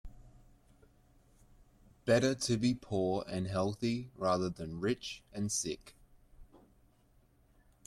Better to be poor and healthy rather than rich and sick.